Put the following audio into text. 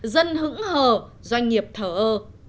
dân hững hờ doanh nghiệp thở ơ